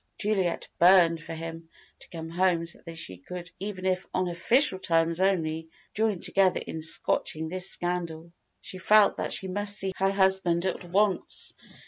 Juliet burned for him to come home so that they could even if "on official terms only" join together in scotching this scandal. She felt that she must see her husband at once.